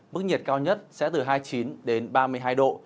mức nhiệt cao nhất sẽ từ hai mươi chín đến ba mươi hai độ